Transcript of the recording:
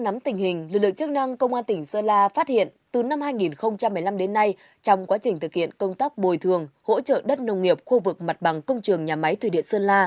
nắm tình hình lực lượng chức năng công an tỉnh sơn la phát hiện từ năm hai nghìn một mươi năm đến nay trong quá trình thực hiện công tác bồi thường hỗ trợ đất nông nghiệp khu vực mặt bằng công trường nhà máy thủy điện sơn la